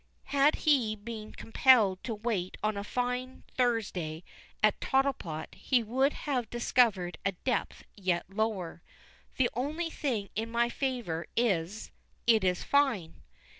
Had he been compelled to wait on a fine Thursday at Tottlepot he would have discovered a depth yet lower. The only thing in my favour is, it is fine.